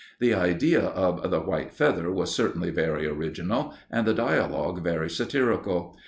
The idea of "The White Feather" was certainly very original, and the dialogue very satirical.